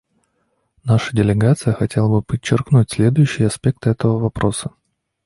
Наша делегация хотела бы подчеркнуть следующие аспекты этого вопроса.